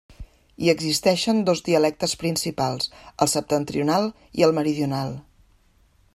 Hi existeixen dos dialectes principals: el septentrional i el meridional.